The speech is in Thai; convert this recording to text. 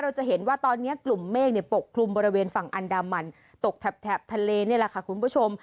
จะเห็นว่าตอนนี้กลุ่มเมฆปกคลุมบริเวณฝั่งอันดามันตกแถบทะเลนี่แหละค่ะคุณผู้ชม